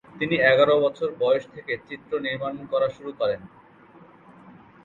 তিনি এগার বছর বয়স থেকে চিত্র নির্মাণ করা শুরু করেন।